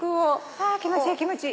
あ気持ちいい気持ちいい。